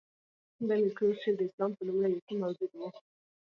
د امیر کروړ شعر د اسلام په لومړیو کښي موجود وو.